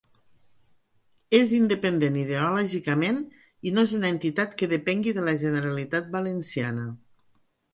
És independent ideològicament i no és una entitat que depengui de la Generalitat Valenciana.